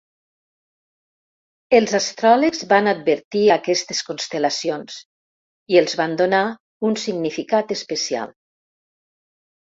Els astròlegs van advertir aquestes constel·lacions i els van donar un significat especial.